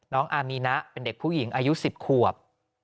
อามีนะเป็นเด็กผู้หญิงอายุ๑๐ขวบ